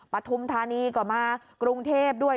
ปฐุมธานีก็มากรุงเทพด้วย